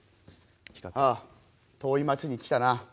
ああ遠い町に来たな。